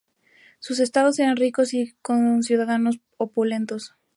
Sus estados eran ricos y sus ciudadanos opulentos.